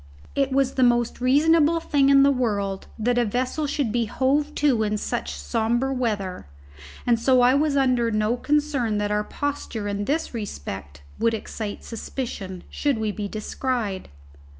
It was the most reasonable thing in the world that a vessel should be hove to in such sombre weather, and so I was under no concern that our posture in this respect would excite suspicion, should we be descried.